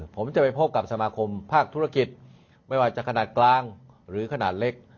ผมจะไปพบกับสมาคมภาคธุรกิจไม่ว่าจะขนาดกลางหรือขนาดเล็ก